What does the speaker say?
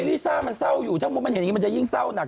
ลิซ่ามันเศร้าอยู่ถ้ามุติมันเห็นอย่างนี้มันจะยิ่งเศร้าหนัก